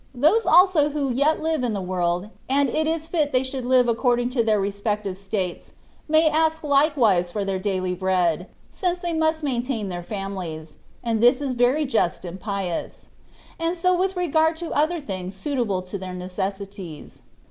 * Those also who yet live in the world (and it is fit they should live according to their respective states) may ask likewise for their daily bread, since they must maintain their families, and this is very just and pious; and so with regard tp other things suitable to their necessities.